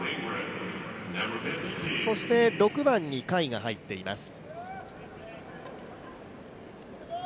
そして６番に甲斐が入っています。